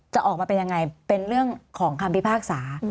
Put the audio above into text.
จะออกมาเป็นยังไงเป็นเรื่องของคำพิพากษา